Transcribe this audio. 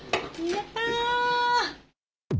やった！